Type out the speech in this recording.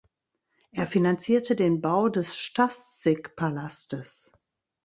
Er finanzierte den Bau des Staszic-Palastes.